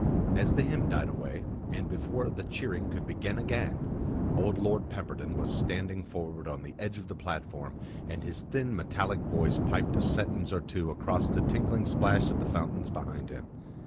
As the hymn died away, and before the cheering could begin again, old Lord Pemberton was standing forward on the edge of the platform, and his thin, metallic voice piped a sentence or two across the tinkling splash of the fountains behind him.